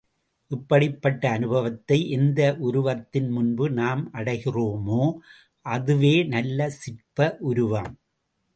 இப்படிப்பட்ட அனுபவத்தை எந்த உருவத்தின் முன்பு நாம் அடைகிறோமோ, அதுவே நல்ல சிற்ப உருவம்.